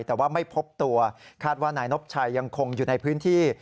แต่ว่าไม่พบตัวคาดว่านายนบชัยยังคงอยู่ในพื้นที่